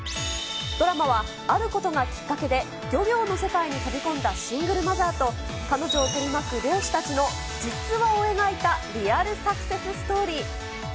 ドラマは、あることがきっかけで漁業の世界に飛び込んだシングルマザーと、彼女を取り巻く漁師たちの実話を描いたリアル・サクセスストーリー。